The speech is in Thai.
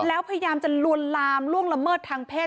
แล้วพยายามจะลวนลามล่วงละเมิดทางเพศ